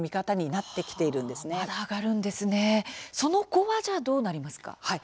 その後は、どうなりますか？